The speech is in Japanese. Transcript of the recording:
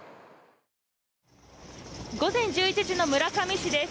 午前１１時の村上市です。